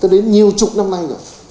đến nhiều chục năm nay rồi